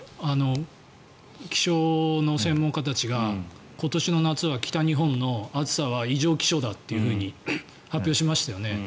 気象の専門家たちが今年の夏は北日本の暑さは異常気象だと発表しましたよね。